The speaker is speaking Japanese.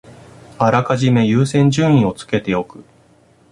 あらかじめ優先順位をつけておく